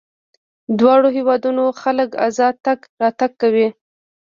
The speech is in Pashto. دواړو هېوادونو خلک ازاد تګ راتګ کوي.